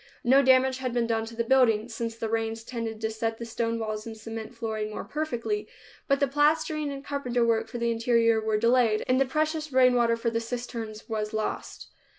No damage had been done the building, since the rains tended to set the stone walls and cement flooring more perfectly, but the plastering and carpenter work for the interior were delayed, and the precious rain water for the cisterns was lost.